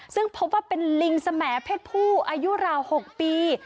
ซึ่งพบว่าเป็นลิงสมเพศผู้อายุราว๖ปี